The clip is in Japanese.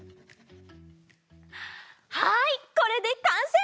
はいこれでかんせい！